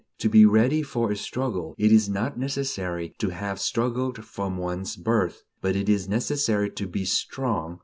To be ready for a struggle, it is not necessary to have struggled from one's birth, but it is necessary to be strong.